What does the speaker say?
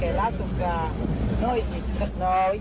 ภารกิจนี้๑นาทีฉันจะไปแล้วแล้วฉันจะทำกว่า